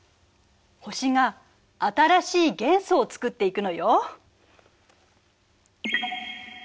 星が新しい元素を作っていくのよ。